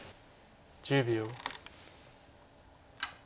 １０秒。